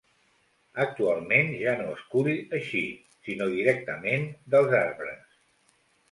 Actualment ja no es cull així, sinó directament dels arbres.